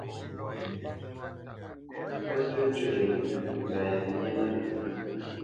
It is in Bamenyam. Pə́ tə́ njə yepʉ̂ mba yenyénə́.